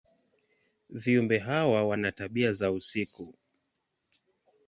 Viumbe hawa wana tabia za usiku.